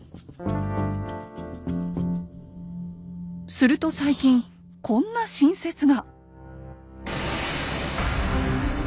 すると最近こんな新説が。